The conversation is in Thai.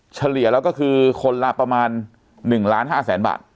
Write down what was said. เฉลี่ยแล้วก็คือคนละประมาณ๑ล้าน๕แสนบาท